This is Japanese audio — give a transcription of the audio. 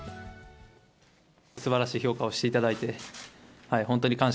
すばらしい評価をしていただ